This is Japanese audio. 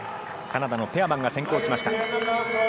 カナダのペアマンが先行しました。